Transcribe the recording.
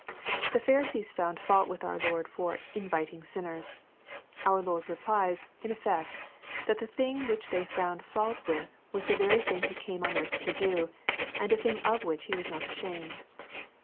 The Pharisees found fault with our Lord for " inviting sinner?,'* Our Lord replies, in effect, that the thing which they found fault with was the very thing He came on earth to do, and a thing of which He was not ashamed.